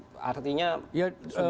sudah sering kali kita melihat